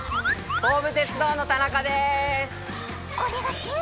東武鉄道の田中です！